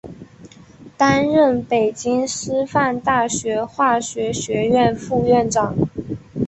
担任北京师范大学化学学院副院长。